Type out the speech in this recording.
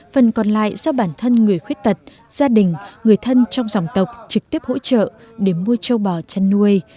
phần còn lại do bản thân người khuyết tật gia đình người thân trong dòng tộc trực tiếp hỗ trợ để mua trâu bò chăn nuôi